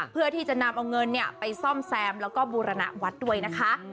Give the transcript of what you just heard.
เพื่อที่จะนำเอาเงินไปซ่อมแซมแล้วก็บูรณวัดด้วยนะคะ